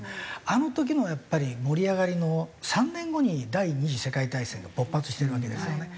あの時のやっぱり盛り上がりの３年後に第２次世界大戦が勃発してるわけですよね。